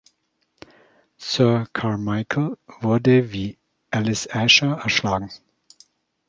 Sir Carmichael wurde, wie Alice Ascher, erschlagen.